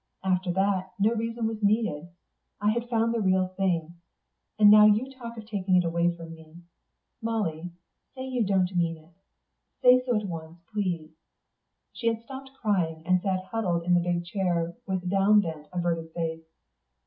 After that, no reason was needed. I had found the real thing.... And now you talk of taking it away from me. Molly, say you don't mean it; say so at once, please." She had stopped crying, and sat huddled in the big chair, with downbent, averted face.